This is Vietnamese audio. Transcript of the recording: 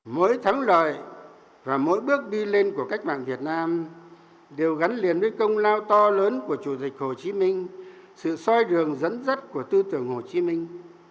mỗi thắng lợi và mỗi bước đi lên của cách mạng việt nam đều gắn liền với công lao to lớn của chủ tịch hồ chí minh sự soi đường dẫn dắt của tư tưởng hồ chí minh